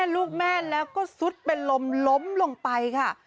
ลูกแม่แล้วก็ซุดเป็นลมล้มลงไปค่ะ